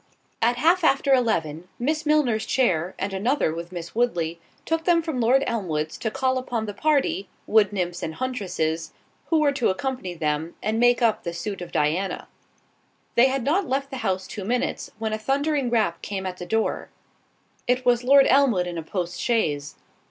At half after eleven, Miss Milner's chair, and another with Miss Woodley, took them from Lord Elmwood's, to call upon the party (wood nymphs and huntresses) who were to accompany them, and make up the suit of Diana. They had not left the house two minutes, when a thundering rap came at the door—it was Lord Elmwood in a post chaise.